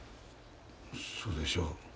そうでしょう。